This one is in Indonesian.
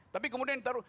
tapi kemudian ditaruh